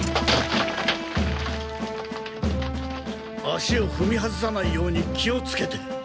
足をふみ外さないように気をつけて。